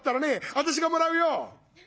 私がもらうよ」。